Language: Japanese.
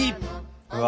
うわ。